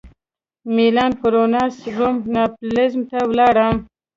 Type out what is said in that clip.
مېلان فلورانس روم ناپلز ته ولاړم.